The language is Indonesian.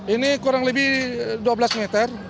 ini kurang lebih dua belas meter